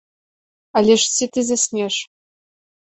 Але ж ці ты заснеш?